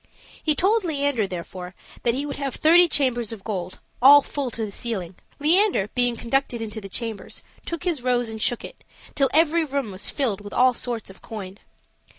He told Leander, therefore, that he would have thirty chambers of gold, all full to the ceiling. Leander, being conducted into the chambers, took his rose and shook it, till every room was filled with all sorts of coin.